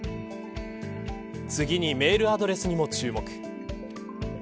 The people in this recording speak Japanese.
次にメールアドレスにも注目。